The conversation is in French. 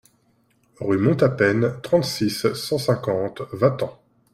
Rue Monte à Peine, trente-six, cent cinquante Vatan